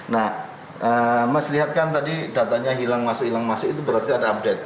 nah mas lihat kan tadi datanya hilang masuk hilang masuk itu berarti ada update